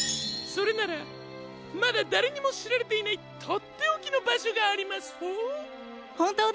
それならまだだれにもしられていないとっておきのばしょがありますホォー。